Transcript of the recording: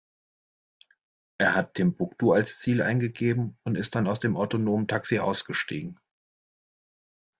Er hat Timbuktu als Ziel eingegeben und ist dann aus dem autonomen Taxi ausgestiegen.